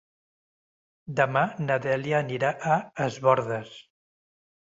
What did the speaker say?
Demà na Dèlia anirà a Es Bòrdes.